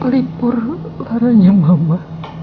lipur laranya mama